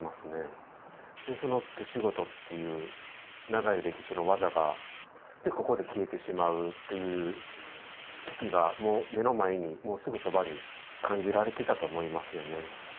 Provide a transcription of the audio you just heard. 手仕事っていう長い歴史の技がここで消えてしまうっていう危機がもう目の前にすぐそばに感じられてたと思いますよね。